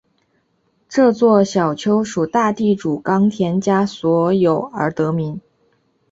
这座小丘属大地主冈田家所有而得名。